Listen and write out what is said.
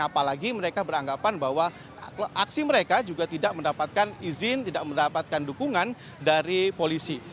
apalagi mereka beranggapan bahwa aksi mereka juga tidak mendapatkan izin tidak mendapatkan dukungan dari polisi